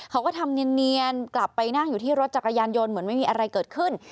เขาก็ทำเนียนกลับไปนั่งอยู่ที่รถจักรยานยนต์เหมือนไม่มีอะไรเกิดขึ้น